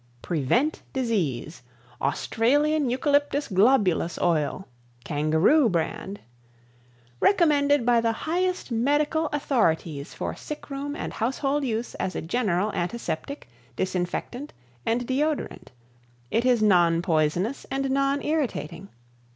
Prevent Disease Australian Eucalyptus Globulus Oil "Kangaroo" Brand Recommended by the highest medical authorities for sick room and household use as a general Antiseptic, Disinfectant and Deodorant. It is non poisonous and non irritating.